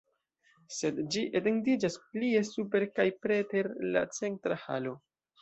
Sed ĝi etendiĝas plie super kaj preter la centra halo.